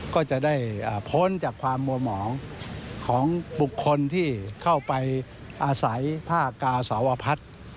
ก็จะได้พ้นจากความมวมอ๋อของบุคคลที่เข้าไปอาศัยพระอากาศสาวพัทธิ์